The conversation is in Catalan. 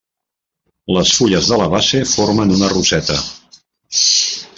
Les fulles de la base formen una roseta.